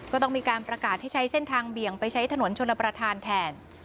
ก็ต้องมีการประกาศให้ใช้เส้นทางเบี่ยงไปใช้ถนนชนประธานแทน